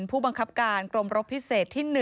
ผู้บังคับการกรมรบพิเศษที่๑